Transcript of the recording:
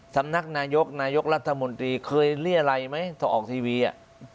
สำนักนายกนายกรัฐมนตรีเคยเรียรัยไหมถ้าออกทีวีอ่ะ